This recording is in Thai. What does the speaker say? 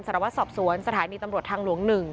สารวัตรสอบสวนสถานีตำรวจทางหลวง๑